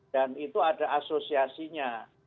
dan itu ada asosiasinya